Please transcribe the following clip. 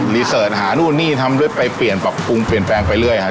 เสิร์ตหานู่นนี่ทำด้วยไปเปลี่ยนปรับปรุงเปลี่ยนแปลงไปเรื่อยครับ